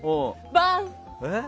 バン！